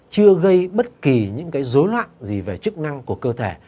chưa gây bất kỳ những cái dối loạn gì về chức năng của cơ thể